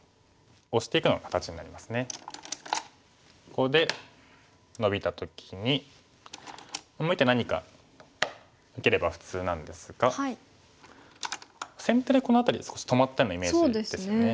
ここでノビた時にもう一手何か受ければ普通なんですが先手でこの辺りが少し止まったようなイメージですよね。